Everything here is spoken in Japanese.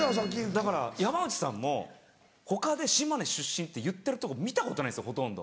だから山内さんも他で島根出身って言ってるとこ見たことないですよほとんど。